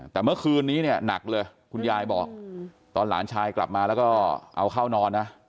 แต่เมื่อคืนนี้เนี่ยหนักเลยคุณยายบอกตอนหลานชายกลับมาแล้วก็เอาเข้านอนนะ